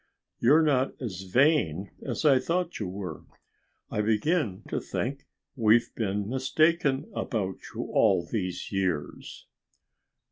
You're not as vain as I thought you were. I begin to think we've been mistaken about you all these years."